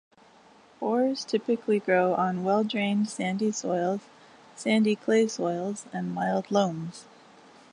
Bors typically grow on well-drained sandy soils, sandy clay soils and mild loams.